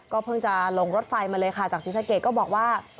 เพิ่งจะลงรถไฟมาเลยค่ะจากศรีสะเกดก็บอกว่า